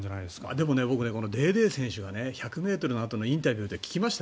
でも、このデーデー選手は１００ｍのあとのインタビューで聞きました？